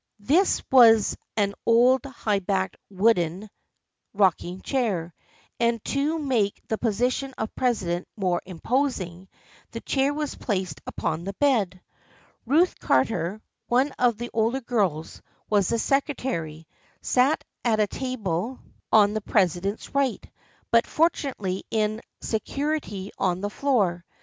This was an old high backed wooden rocking chair, and to make the position of president more imposing, the chair was placed upon the bed. Ruth Carter, one of the older girls, who was secretary, sat at a table 54 THE FRIENDSHIP OF ANNE on the presidents right, but fortunately in security on the floor.